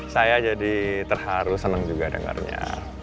saya jadi terharu senang juga dengarnya